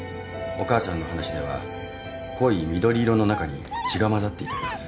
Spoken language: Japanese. お母さんの話では濃い緑色の中に血が混ざっていたようです。